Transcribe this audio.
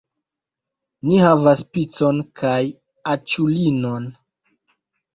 Ni havas picon kaj aĉulinon